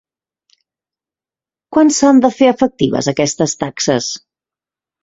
Quan s'han de fer efectives aquestes taxes?